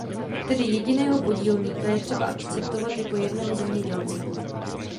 Tedy jediného podílníka je třeba akceptovat jako jednoho zemědělce.